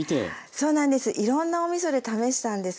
そうなんです